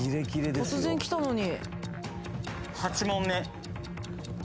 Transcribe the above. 突然来たのに。